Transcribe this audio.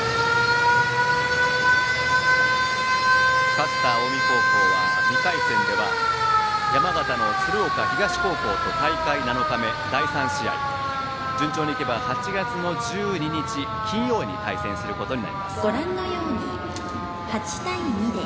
勝った近江高校は２回戦では山形の鶴岡東高校と大会７日目、第３試合順調にいけば８月の１２日の金曜に対戦します。